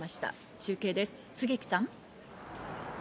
中継です、槻木さん。